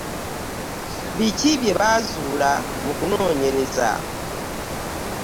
Biki bye baazuula mu kunoonyereza?